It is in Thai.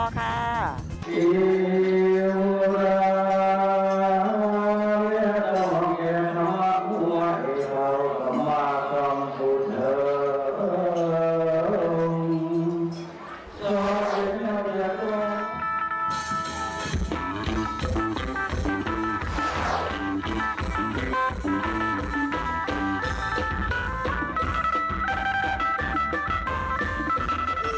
พูดแล้วบอกต่อค่ะ